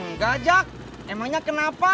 nggak jack emangnya kenapa